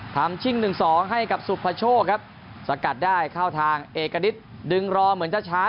ชิ่ง๑๒ให้กับสุภโชคครับสกัดได้เข้าทางเอกณิตดึงรอเหมือนช้า